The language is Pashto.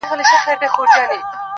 چي په تا یې رنګول زاړه بوټونه!